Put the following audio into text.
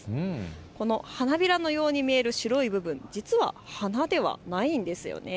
この花びらのように見える白い部分、実は花ではないんです。